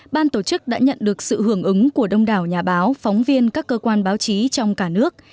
ban tổ chức đã nhận được sự hưởng ứng của đông đảo nhà báo phóng viên các cơ quan báo chí trong cả nước